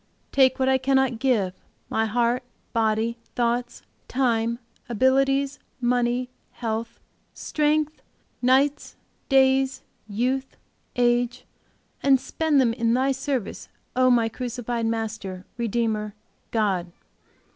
Take what I cannot give my heart, body, thoughts, time, abilities, money, health, strength, nights, days, youth, age, and spend them in Thy service, O my crucified Master, Redeemer, God.